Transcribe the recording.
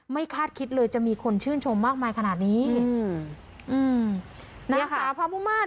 คาดคิดเลยจะมีคนชื่นชมมากมายขนาดนี้อืมอืมนางสาวพระมุมาศ